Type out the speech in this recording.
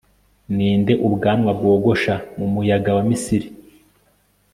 ninde ubwanwa bwogosha mumuyaga wa misiri